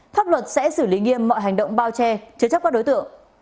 pháp luật sẽ xử lý nghiêm mọi hành động bao che chứa chấp các đối tượng